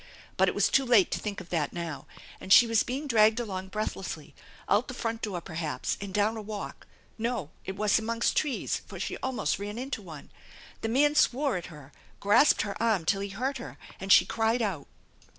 But it was too late to think of that now, and she was being dragged along breath lessly, out the front door, perhaps, and down a walk; no, it was amongst trees, for she almost ran into one. The man swore at her, grasped her arm till he hurt her and she cried out.